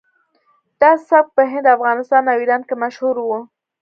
دا سبک په هند افغانستان او ایران کې مشهور و